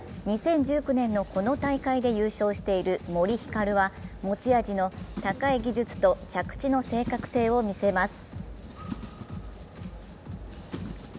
２０１９年のこの大会で優勝している森ひかるは持ち味の高い技術と着地の正確性を見せます。